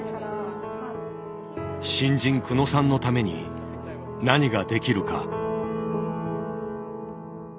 新人久野さんのために何ができるか。